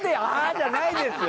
じゃないですよ。